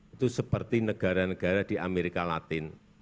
itu seperti negara negara di amerika latin